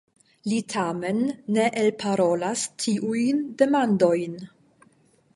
Li tamen ne elparolas tiujn demandojn.